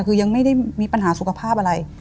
คือยังไม่ได้มีปัญหาสุขภาพอะไร